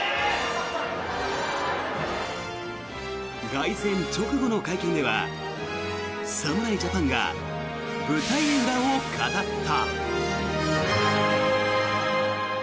凱旋直後の会見では侍ジャパンが舞台裏を語った。